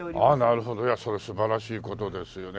なるほどそれは素晴らしい事ですよね。